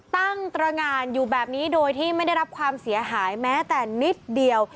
ตั้งตรงานอยู่แบบนี้โดยที่ไม่ได้รับความเสียหายแม้แต่นิดเดียว